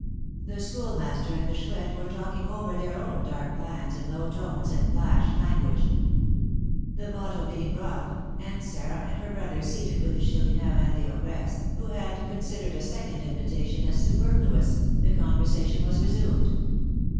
The Schoolmaster and the Chouette were talking over their own dark plans in low tones and "flash" language. The bottle being brought, and Sarah and her brother seated with the Chourineur and the ogress, who had considered a second invitation as superfluous, the conversation was resumed.